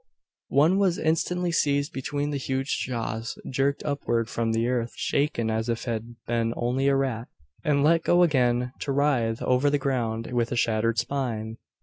One was instantly seized between the huge jaws; jerked upward from the earth; shaken as if it had been only a rat; and let go again, to writhe over the ground with a shattered spine!